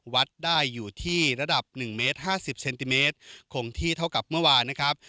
วัดได้อยู่ที่ระดับ๑เมตร๕๐เซนติเมตรคงที่เท่ากับเมื่อวานนะครับ